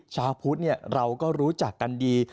ชาพุทธเนี่ยเราก็รู้จักกันดี